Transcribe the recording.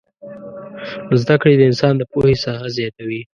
زدکړې د انسان د پوهې ساحه زياتوي